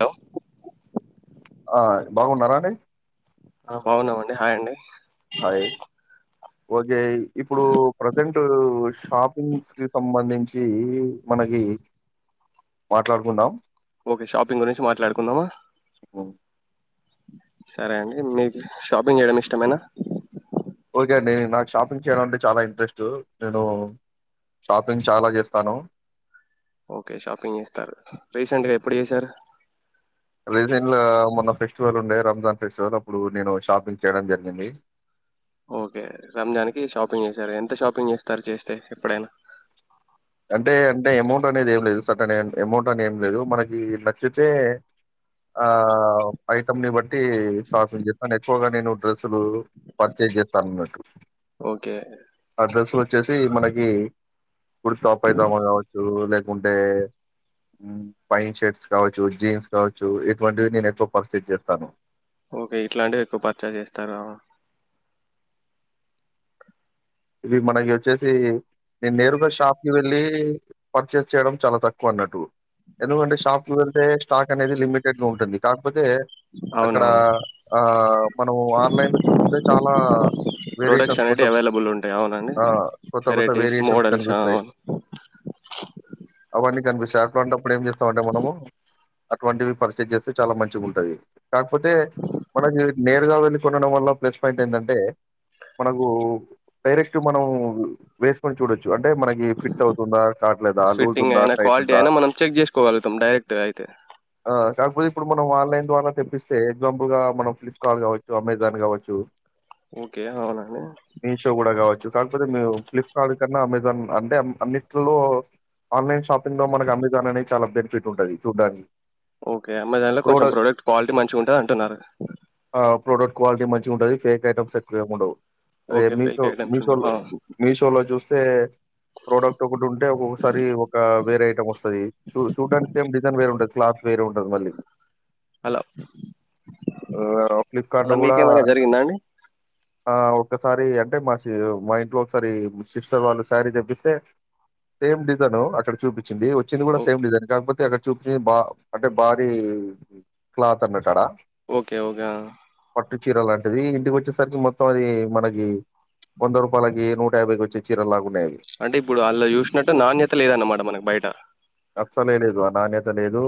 Hello ఆ బాగున్నారా అండి ఆ బాగున్నావండి హాయ్ండి హాయ్ ఓకే ఇప్పుడు ప్రజెంట్ షాపింగ్స్ కి సంబంధించి మనకి మాట్లాడుకుందాం. ఓకే షాపింగ్ గురించి మాట్లాడుకుందామా హ్మ్. సరే అండి మీకు షాపింగ్ చేయడం ఇష్టమేనా ఓకే అండి నేను నాకు షాపింగ్ చేయడం అంటే చాలా ఇంట్రెస్ట్ నేను షాపింగ్ చాలా చేస్తాను. ఎప్పుడూ చేశారు రీసెంట్లో మొన్న ఫెస్టివల్ ఉండే రంజాన్ ఫెస్టివల్ అప్పుడు నేను షాపింగ్ చేయడం జరిగింది. ఓకే రంజాన్నికి షాపింగ్ చేశారు ఎంత షాపింగ్ చేస్తారు చేస్తే ఎప్పుడైనా అంటే అంటే అమౌంట్ అనేది ఏం లేదు సటన్ అమౌంట్ అని ఏం లేదు మనకి నచ్చితే ఆ ఐటం ని బ ట్టి షాపింగ్ చేస్తాను ఎక్కువగా నేను డ్రెస్సులు పర్చేజ్ చేస్తా అన్నట్టు ఓకే ఆ డ్రెస్సులు వచ్చేసి మనకి ఇప్పుడు టాప్ అయితామో కావచ్చు లేకుంటే పైన్ షర్ట్స్ కావచ్చు జీన్స్ కావచ్చు ఇటువంటివి నేను ఎక్కువ పర్చేస్ చేస్తాను ఓకే ఇట్లాంటివి ఎక్కువ పర్చేస్ చేస్తరా ఇవి మనకి వచ్చేసి నేను నేరుగా షాప్ కి వెళ్ళి పర్చేస్ చేయడం చాలా తక్కువ అన్నట్టు ఎందుకంటే షాప్ కి వెళ్తే స్టాక్ అనేది లిమిటెడ్ గా ఉంటుంది కా కాకపోతే అక్కడ అవునవును ఆ మనం ఆన్లైన్ లో చూసుకుంటే చాలా ప్రోడక్ట్స్ వేరియేషన్స్ అనేటివి కొంటాం అవైలబుల్ ఉంటాయి అవునండి ఆ కొత్త కొత్త వెరైటీస్ వేరియేషన్స్ మోడల్స్ ఆ కనిపిస్తాయి అవును అవన్నీ కనిపిస్తాయి అటువంటప్పుడు ఏం చేస్తాం అంటే మనము అటువంటివి పర్చేజ్ చేస్తే చాలా మంచిగా ఉంటాయి కాకపోతే మనకి నేరుగా వె కొనడం వల్ల ప్లస్ పాయింట్ ఏంటంటే మనకు డైరెక్ట్ మనం వేసుకొని చూడొచ్చు అంటే మనకి ఫిట్ అవుతుందా కాట్లేదా లూజ్ ఫిట్టింగ్ ఉందా అయినా టైట్ క్వాలిటీ ఉందా అయినా మనం చెక్ చేసుకోగలుగుతాం డైరెక్ట్ అయితే కాకపోతే ఇప్పుడు మనం ఆన్లైన్ ద్వారా తెప్పస్తే ఎగ్జాంపుల్గా మనం ఫ్లిప్కార్ట్ కావచ్చు అమెజాన్ కావచ్చు ఓకే అవునండి మీషో కూడా కావచ్చు కాకపోతే మము ఫ్లిప్కార్ట్ కన్నా అమెజాన్ అంటే అన్నింటిలో ఆన్లైన్ షాపింగ్ లో మనకి అమెజాన్ అనేది చాలా బెనిఫిట్ ఉంటుంది చూడ్డానికి ఓకే అమెజాన్ లో కొంచెం ప్రోడక్ట్ క్వాలిటీ మంచిగా ఉంటది అంటున్నారు ఆ ప్రోడక్ట్ క్వాలటీ మంచి ఉంటది ఫేక్ ఐటమ్స్ ఎక్కువేం ఉండవు అదే ఓకే మీ ఫేక్ ఐటమ్స్ మీషో ఉండవు లో ఆ, మీషోలో చూస్తే ప్రోడక్ట్ ఒకటి ఉంటే ఒక్కసారి ఒక వేరే ఐటం వస్తు వస్తది చూడానికి ఏమో డిజైన్ వేర ఉంటది క్లాత్ వేరే ఉంటంది మళ్ళీ అలా ఆ ఫ్లిప్కార్ట్ లో అలా కూడా మీకేమైనా జరిగిందా అండి ఆ ఒక్కసారి అంటే మా మా ఇంట్లో ఒకసారి సిస్టర్ వాళ్ళు శారీ తెప్పిస్తే సేమ్ డిజైన్ అక్కడ చూపి వచ్చి వచ్చింది కూడా ఓ సేమ్ డిజైన్ కాకపోతే అక్కడ చూపించేది బా అంటే భారీ క్లాత్ అన్నట్టు ఆడ ఓకే ఓకే పట్టు చీర లాంటిది ఇంటికి వచ్చేసరికి మొత్తం అది మనకి వంద రూపాయలకి యాబై కి వచ్చే చీర లాగా అంటే ఇప్పుడు అళ చూసినట్టు నాణ్యత లేదన్నమాట మనకు బయట అస్సలే లేదు ఆ నాణ్యత లేదు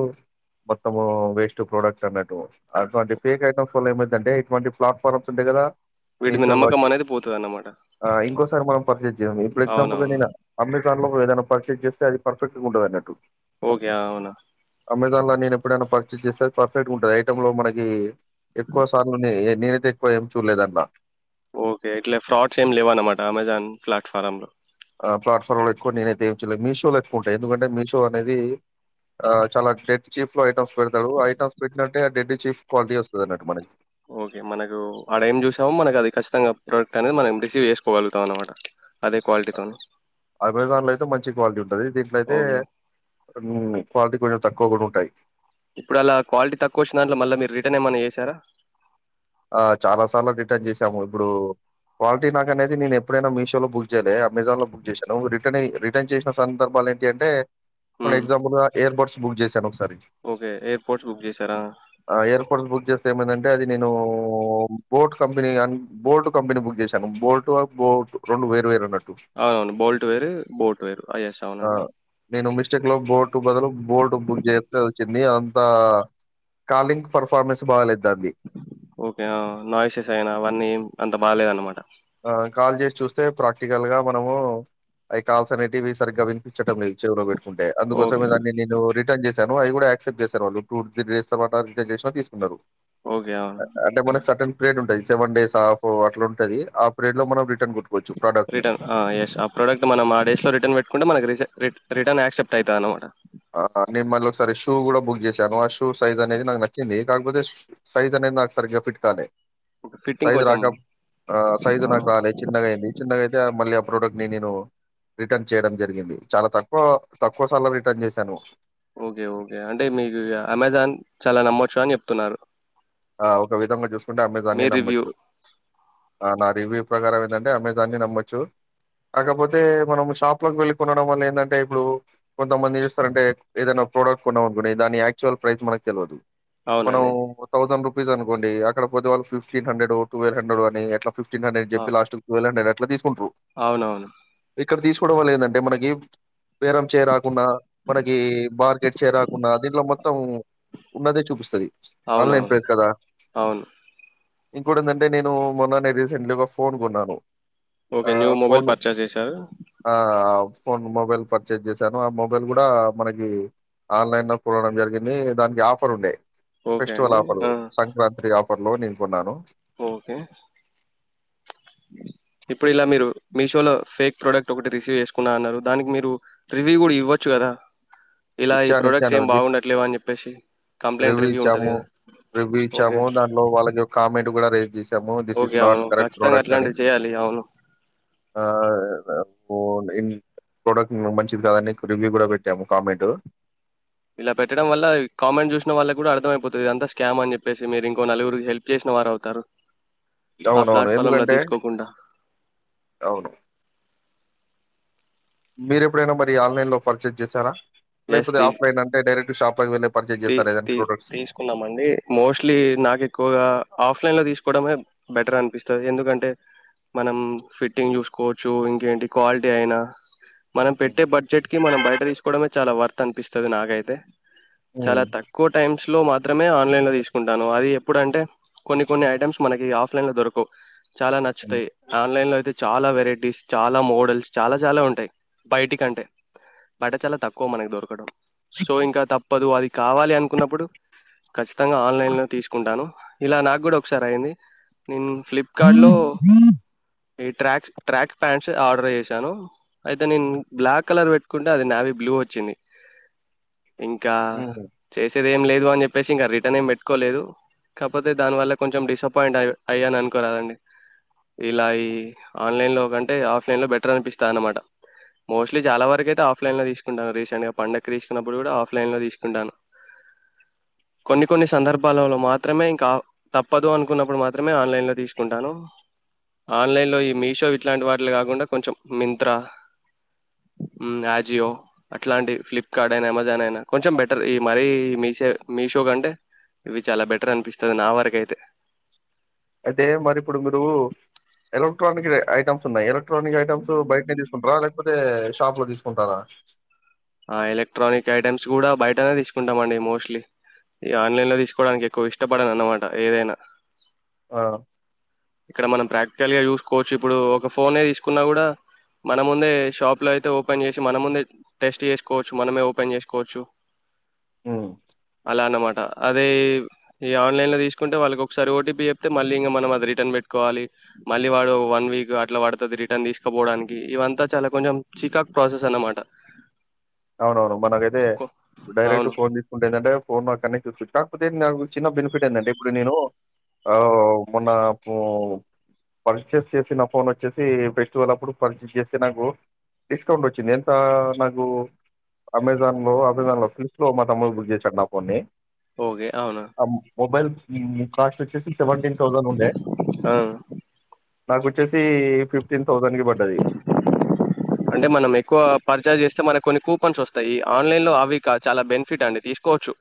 మొత్తము వేస్ట్ ప్రోడక్ట్ అన్నట్టు అటువంటి ఫేక్ ఐటమ్స్ వల్ల ఏమైతదాంటే ఇటువంటి ప్లాట్ఫార్మ్స్ ఉంటాయి కదా వీటి మీద నమ్మకం అనేది పోతది అన్నమాట ఆ ఇంకోసారి మనం పర్చేస్ చేద్దాం ఇప్పుడు ఎగ్జాంపుల్ గా అవునవును నేను అంబే ఏ పర్చ జస్ట్ అది పర్ఫెక్ట్ందట్టు ఓకే అవునా అమెజాన్లో నేను ఎప్పుడైనా పర్చేస్ చేస్తే పర్ఫెక్ట్ ఉంటుంది ఐటంలో మనకి ఎక్కువ సార్ న నేనే త ఎక్కువ ఏం చూడలేదన్నా ఓకే ఎట్ ఫ్రోడ్స్ ఏం లేవాన మ అమెజాన్ ప్లేట్ఫార్ర్మ లో ఆ ప్లాట్ఫామ్ లో ఎక్కువని నేనైతే ఏలేదు మీషోలో ఎక్కువ ఉంటా ఎందుకంటే మీషో అనేది ఆ చాలా గ్రేట్ చీఫ లో ఐటమ్స్ పెడతా ఐమ్స్ పెటినే ఆ డ చీఫ క్వాలిటీ వస్తుంది అన్నట్టు మనకి ఓకే మనకు ఆడ ఏం చూసామో మనకు అది ఖచ్చితంగా ప్రోడక్ట్ అనేది మనం రిసీవ్ చేసుకోగలుగుతాం అనమాట అదే క్వాలిటీతోని అమెజాన్ లో అయితే మంచి క్వాలిటీ ఉంటుంది దీంట్లో అయితే ఓకే క్వాలిటీ కొంచెం తక్కువ కూడా ఉంటాయి ఇప్పుడు అలా క్వాలిటీ తక్కువ వచ్చిన దాంట్లో మళ్ళా మీరు రిటర్న్ ఏమైన్నా చేశారా ఆ చాలా సార్లు రిటర్న్ చేశాము ఇప్పుడు క్వాలిటీ నాకు అనేది నేను ఎప్పుడైనా మీషో లో బుక్ చేయలేదు అమెజాన్ లో బుక్ చేశాను రిటర్న్ రిటర్న్ చేసిన సందర్భాలు ఏంటి అంటే మన ఎగ్జాపుల్గా ఎయిర్ బడ్స్ బుక్ చేశాను ఓకే ఎట్ ఎయిర్పోర్ట్స్ బుక్ చేసారా బు అ నే బోట్ కంపెనీ అ బోటు కంపెనీ బుక్ చేశాను బోటు బోటు రెండు వేరువేరు ఉన్నట్టు అవునవును బోల్ట్ వేరు బోట్ వేరు అస్ ఆ అవునండి నేను లో బోర్టు బదులు బోల్ట్ బుక్ చేస్తేచ్చింది అదంతా కాలింగ్ పర్ఫార్మెన్స్ బాగాలేదు అడి ఓకేనా నాయిసెస్ అయినా అవన్నీ అంత బాగాలేద అనమాట ఆ కాల్ చేసి చూస్తే ప్రాక్టికల్ గా మనము అవి కాల్స్ అనేటివి సరిగ్గా వినిపించడం లేదు చెవులో పెట్టుకుంటే ఓకే. అందుకోసమే దాన్ని నేను రిన్ చేశను అవి కూడా క్సెప్ట్ చేశారు వాళ్ళ టూ త్రీ డేస్ త రిన్ చేసిన తీసుకున్నారు ఓకే. అవును. అంటే పన స ప్లేట్ ఉుది సెవె డస్ హాఫ్ అట్లా ఉంటది ఆ ప్రేట్ లో మనం రిటర్న్ గొట్టుకోవచ్చు ప్రోడక్ట్‌ని. రిటర్న్ ఎస్ ఆ ప్రోడక్ట్ మనం ఆ డేస్ లో రిటర్న్ పెట్టుకుంటే మన రీస ర రటర్న్ ఆక్సెప్ట్వుయితు అన్నమాట ఆ నేను మళ్ళీ ఒకసారి షూ కూడా బుక్ చేశాను ఆ షూ సైజ్ అనేది నాకు నచ్చింది కాకపోతే సైజ్ అనేది నాకు సరిగ్గా ఫిట్ కాలి ఫిట్టింగ్ సైజు కొంచెం రాక ఆ సైజు ఆ! నాకు రాలేదు చిన్నగా అయింది చిన్నగా అయితే మళ్ళీ ప్రోడక్ట్ ని నేను రిటర్న్ చేయడం జరిగింది చాలా తక్కువ తక్కువ సాల రిటర్న్ చేస్ తను ఓకే ఓకే అంటే మీకు అమెజాన్ చాలా నమ్మొచ్చు అని చెప్తున్నారు ఆ ఒక విధంగా చూస్ మీ అమెజాని రివ్యూ నమ్మోచ్చు నా రివ్యూ ప్రకారం ఏందంటే అమెజా ని నమ్మచ్చు కాకపోతే మనం షాప్ లోకి వెళ్ళి కొనడం వల్ల ఏందంటే ఇప్పుడు కొంతమంది చూస్తారంటే ఏదైనా ప్రోడక్ట్ కొన్నాం అనుకుండి దాని యాక్చువల్ ప్రైస్ మనకు తెల్వదు మనం అవునండి. థౌసండ్ రూపీస్ అనుకోండి అక్కడ పోతే వాళ్ళ ఫిఫ్టీన్ హండ్రెడ్, ట్వల్వ హండ్రెడ్ అని అట్లా. ఫిఫ్టీన్ హండ్రడ్ అని ఆ! చెప్పి, లాస్ట్ కి ట్వీల్వ్ హ్రెడ్రెడ్ అన్ అట్లా దీస్ అవునవును ఇక్కడ తీసుకోవడం వల్ల ఏందటే మనకి బేరం చే రాకుండా మనకీ మార్కెట్ చే రాకుండా దీంట్లో మొత్తం ఉన్నదే చూపిస్తది ఆన్‌లైన్ అవునవును అవును ఇంకోటి ఏందంటే నేను మొన్ననే రీసెంట్గా ఫోన్ కొన్నాను ఓకే న్యూ మొబైల్ పర్చేస్ చేశారు ఆ ఫోన్ మొబైల్ పర్చేస్ చేశాను ఆ మొబైల్ కూడా మనకి ఆన్లైన్ లో కొనడం జరిగింది దానికి ఆఫర్ ఉండే ఓకే ఫెస్టివల్ అండి. ఆఫర్ ఆ! సంక్రాంతి ఆఫ్ అప్పట్లో నేన్ కొన్నాను ఓకే. ఇప్పుడు ఇలా మీరు మీషో లో ఫేక్ ప్రోడక్ట్ ఒకటి రిసీవ్ చేసుకున్నా అన్నారు దానికి మీరు రివ్యూ కూడా ఇవ్వచ్చు గదా ఇలా ఈ ఇచ్చాను ప్రొడక్ట్స్ ఇచ్చాను ఏం బాగుండట్లేవు అని చెప్పేసి కంప్లైంట్ రివ్యూ ఉంటది ఇచ్చాము కదా రివ్యూ ఓకే ఇచ్చాము దాంట్లో వాళ్ళకి ఒక కామెంట్ కూడా రేస్ జెస్ ము దిస్ ఇస్ ఓకే నాట్ అవును కరెక్ట్ ఖచ్చితంగా ప్రోడక్ట్ అని అట్లాంటివి చేయాలి అవును పో ఇం ప్రోడక్ట్ మంచిది కాదని నీకు రివ్యూ కూడా పెట్టాము కామెంట్ హలో ఇలా పెట్టడం వల్ల కామెంట్ చూసిన వాళ్లక కూడా అర్థమయిపోతది ఇదంతా స్కామ్ అని చెప్పేసి మీరు ఇంకో నలుగురికి హెల్ప్ చేసిన వారు అవుతారు ఆ అవునవును ప్లాట్ఫామ్ లో ఎందుకంటే తీసుకోకుండా అవును మీరు ఎప్పుడైనా మరి ఆన్లైన్ లో పర్చేస్ చేశారా ఎస్ లేకపోతే తీ ఆఫ్లైన్ అంటే డైరెక్ట్ షాప్ ప తీ తీ తీసుకున్నామండి మోస్ట్లీ నాకు ఎక్కువగా ఆఫ్లైన్లో తీసుకోవడమే బెటర్ అనిపిస్తది, ఎందుకంటే మనం ఫిట్టింగ్ చూసుకోవచ్చు ఇంకేంటి క్వాలిటీ అయినా మనం ఉమ్ పెట్టే బడ్జెట్కి మనం బయట తీసుకోవడే చాలా వర్త్ అనిపిస్తది నాకైతే చాలా ఉమ్ తక్కువ టైమ్స్ లో మాత్రమే ఆన్లైన్ లో తీసుకుంటాను, అది ఎప్పుడంటే కొన్ని కొన్ని ఐటమ్స్ మనకి ఆఫ్లైన్ లో దొరకవు చాలా నచ్చుతాయి ఆన్లైన్ లో అయితే చాలా వెరైటీస్ చాలా మోడల్స్ చాలా చాలా ఉంటాయి బయటకంటే బయట చాలా తక్కువ మనకు దొరకడం సో ఇంకా తప్ పదువాది కావాలి అనుకున్నప్పుడు ఖచ్చితంగా ఆన్లైన్ లో తీసుకుంటాను ఇలా నాకు కూడా ఒకసారి అయింది. నేను ఫ్లిప్కార్ట్ లో ఈ ట్రాక్స్ ట్రాక్ ప్యాంట్స్ ఆర్డర్ చేశాను అయితే నేను బ్లాక్ కలర్ పెట్టుకుంటే అది నావీ బ్లూ వచ్చింది ఇంకా ఉమ్ చేసేది ఏం లేదు అని చెప్పేసి ఇంకా రిటర్న్ ఏం పెట్టుకోలేదు, కాపోతే దానివల్ల కొంచెం డిసప్పాయింట్ అయ్ అయ్యాను అనుకోరాదండి, ఇలా ఈ ఆన్లైన్లో కంటే ఆఫ్లైన్ బెటర్ అనిపిస్తా అన్నమాట మోస్ట్లీ చాలా వరకు అయితే ఆఫ్లైన్లో తీసుకుంటాను, రీసెంట్గా పండక్కి తీసుకున్నప్పుడు కూడా ఆఫ్లైన్ లో తీసుకుంటాను. కొన్ని కొన్ని సందర్భాలలో మాత్రమే ఇంకా తప్పదు అనుకున్నప్పుడు మాత్రమే ఆన్లైన్ లో తీసుకుంటాను ఆన్లైన్ లో ఈ మీషో ఇట్లాంటి వాటిలు కాకుండా కొంచెం మింత్రా ఆజియో అట్లాంటి ఫ్లిప్కార్ట్ అయినా అమెజాన్ అయినా కొంచెం బెటర్ మరీ మీషో మీషో కంటే ఇవి చాలా బెటర్ అనిపిస్తుంది నా వరకైతే అదే మరి ఇప్పుడు మీరు ఎలక్ట్రానిక్ ఐటమ్స్ ఉన్నాయి ఎలక్ట్రానిక్ ఐటమ్స్ బయటనే తీసుకుంటారా లేకపోతే షాప్ లో తీసుకుంటారా ఆ ఎలక్ట్రానిక్ ఐటెమ్స్ కూడా బయటనే తీసుకుంటామండి మోస్ట్లీ ఈ ఆన్లైన్ లో తీసుకోవడానికి ఎక్కువ ఇష్టపడను అన్నమాట ఏదైనా ఆ ఇక్కడ మనం ప్రాక్టికల్గా చూసుకోవచ్చు ఇప్పుడు ఒక ఫోనే తీసుకున్నా కూడా మనముందే షాప్లో అయితే ఓపెన్ చేసి మనముందే టెస్ట్ చేసుకోవచ్చు మనమే ఓపెన్ చేసుకోవచ్చు ఉమ్ అలా అన్నమాట అదే ఈ ఆన్లైన్ లో తీసుకుంటే వాళ్ళకి ఒకసారి ఓటీపీ చెప్తే మళ్ళీ ఇంకా మనం అది రిటర్న్ పెట్టుకోవాలి మళ్ళీ వాడు వన్ వీక్ అట్లా పడుతుది రిటర్న్ తీసుకోపోవడానికి ఇవంతా చాలా కొంచెం చికాకు ప్రాసెస్ అనమాట అవునవును మనకైతే డైరెక్ట్ అవును. ఫోన్ తీసుకుంటే ఏంటంటే ఫోన్ అక్కడనే చూసుకోచ్చు కాకపోతే నాకు చిన్న బెనిఫిట్ ఏందంటే ఇప్పుడు నేను మొన్న పర్చేస్ చేసిన ఫోన్ వచ్చేసి ఫెస్టివల్ అప్పుడు పర్చేస్ చేస్తే నాకు డిస్కౌంట్ వచ్చింది ఎంత నాకు అమె జాన్ లో అమెజాన్ లో తమ్ముడు బుక్ చేశాడు నాఫోన్ నీ ఓకే. అవునా? ఆ మొబైల్ ఊహు కాస్ట్ వచ్చేసి సెవెంటీన్ థౌజండ్ ఉండే ఆ! నాకు వచ్చేసి ఫిఫ్టీన్ అంటే మనం ఎక్కువ పర్చేస్ చేస్తే మన కొన్ని కు పన్స్ వస్తాయి ఆన్లైన్ లో అవి చాలా బెనిఫిట్ అండి తీసుకోవచ్చు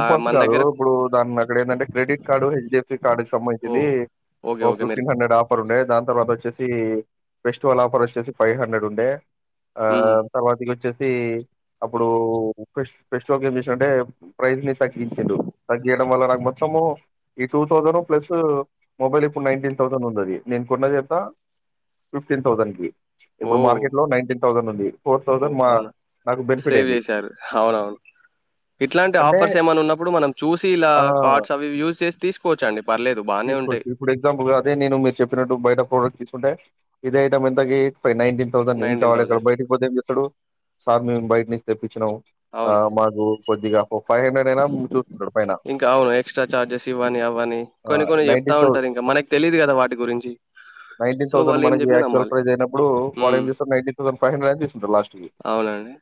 ఆహ్, మన కాదు దగ్గర ఇప్పుడు దాన్ని అక్కడ ఏంటంటే క్రెడిట్ కార్డు హెచ్డడిఎఫ్సి కార్డు కి సంబంధించింది ఓహ్! ఓకే. ఓ ఓకే. మీరు ఫిఫ్టీన్ హండ్రెడ్ ఆఫర్ ఉండే దాని తర్వాత వచ్చేసి ఫెస్టివల్ ఆఫర్ వచ్చేసి ఫైవ్ హండ్రెడ్ ఉండే ఆ హుహు. తర్వాతికొచ్చి ఆది అప్పుడు ఫెస్ట్ ఫెస్టివల్కి ఏం చేసినంటే ప్రైజ్ ని తగ్గించిండు తగ్గియడం వల్ల నాకు మొత్తము ఈ టూ థౌసండ్ ప్లస్ మొబైల్ ఇప్పుడు నైన్టీన్ థౌసండ్ ఉందది నేను కొన్నదెంత ఫిఫ్టీన్ థౌసండ్ కి ఇప్పుడు ఓహ్! మార్కెట్ లో నైన్టీన్ థౌసండ్ ఉంది ఫోర్ థౌసండ్ ఓహ్! మా అవునా? నాకు బెనిఫిట్ సేవ్ అయింది చేశారు. ఫర్స్ ఏమన్నా ఉప్పుడు మనం చూసి ఇలా ఆ కార్డ్స్ అవి యూజ్ చేసి తీసుకోవచ్చండి పర్లేదు బానే ఉంటాయి తీసుకోవచ్చు ఇప్పుడు ఎగ్జాంపుల్గా అదే నేను మీరు చెప్పినట్టు బయట ప్రోడక్ట్ తీసుకుంటే ఇదే ఐటమ్ ఎంతక ఫరి నైన్టీన్ థౌసండ్ ఇం నైన్టీన్ కావాల ఎక్కడ థౌజండ్ బయట పోతేేం చేసడు సార్ మేం బయట్నుంచి తెప్పి ను ఆ అవును మాకు కొద్దిగా ఫైవ్ హండ్రెడ్ అయినా చూసుకుంటాడు పైన ఇంకా అవును ఎక్స్ట్రా చార్జెస్ ఇవ్వని అవ్వని. ఆ నైన్టీన్ థౌ వాటి గురించి నైన్టీన్ సో థౌసండ్ వాళ్ళు ఏం మనకి చెప్పినా యాక్చువల్ నమ్మాలి ప్రైజ్ అయినప్పుడూ వాడు హ్మ్ ఏం చేస్తాడు నైన్టీన్. థౌసండ్ ఫైవ్ హండ్రెడ్ అయినతీస్ ద లాస్ట్ కి, అవునండి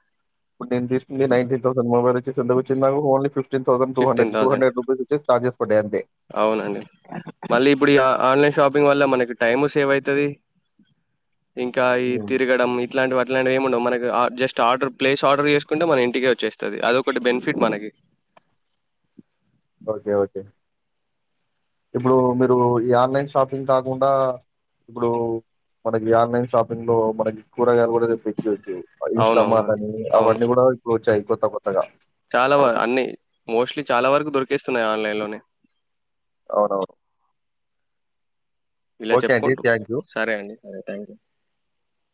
ఇప్పుడు నేను తీస్కుంది నైన్టీన్ థౌసండ్ మొబైల్ ఒచ్చేసి ఎంతకొచ్చింది నాకు only fifteen thousand two hundred fifteen కి టూ థౌజండ్ హండ్రెడ్ రూపీస్ ఒచ్చి చార్జెస్ పడ్డయ్ అంతే. అవునండి మల్లీ ఇప్పుడు ఈ ఆ ఆన్లైన్ షాపింగ్ వల్ల మనకి టైము సేవ్ అయితది. ఇంకా ఈ హ్మ్. తిరగడం ఇ అట్లాంటివి అట్లాంటివి ఏముండవు, మనకి ఆ జస్ట్ ఆర్డర్ ప్లేస్ ఆర్డర్ చేస్కుంటే మన ఇంటికే వచ్చేస్తది అదొకటి బెనిఫిట్ మనకి. ఓకే ఓకే, ఇప్పుడూ మీరూ ఈ ఆన్లైన్ షాపింగ్ కాకుండా ఇప్పుడూ మనకీ ఆన్లైన్ షాపింగ్ లో మనకి కొ రగాయలు గూడా తెప్పిచ్చచ్చు, అ ఇన్స్టామార్ట్ అవునవునండి అనీ అవన్ని గుడా ఇప్పుడు వచ్చాయి కొ చాలవ అన్నీ మోస్ట్లీ చాలా వరకు దొరు కేస్తున్నాయి ఆన్లైన్ లోనే. అవునవును. ఇలా ఓకే అండి. చెప్పుకుంటు థాంక్యూ. సరేఅండి. Thank you.